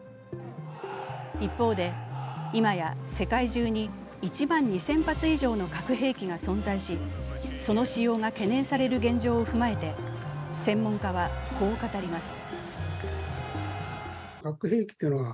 一方で、いまや世界中に１万２０００発以上の核兵器が存在しそのしようが懸念される現状を踏まえて、専門家はこう語ります。